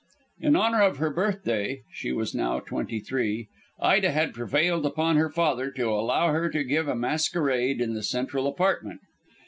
In honour of her birthday she was now twenty three Ida had prevailed upon her father to allow her to give a masquerade in the central apartment.